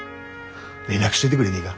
連絡しといでくれねえが？